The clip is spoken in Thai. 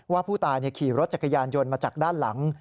ว่าผู้ตายขี่รถจักรยานยนต์มาจากด้านหลัง